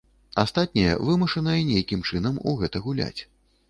Астатнія вымушаныя нейкім чынам у гэта гуляць.